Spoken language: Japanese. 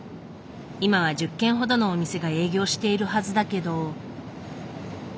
今は１０軒ほどのお店が営業しているはずだけど。